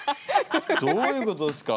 どういうことですか？